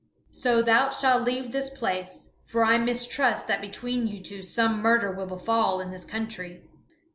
So thou shalt leave this place, for I mistrust that between you two some murder will befall in this country."